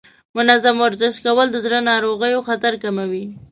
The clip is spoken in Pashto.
منظم ورزش کول د زړه ناروغیو خطر کموي.